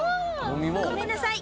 ごめんなさい。